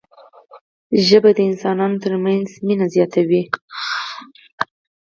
ژبه د انسانانو ترمنځ محبت زیاتوي